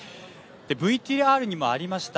ＶＴＲにもありました